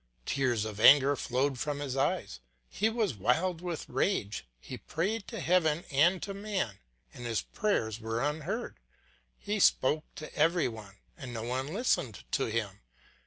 Tears of anger flowed from his eyes, he was wild with rage; he prayed to heaven and to man, and his prayers were unheard; he spoke to every one and no one listened to him.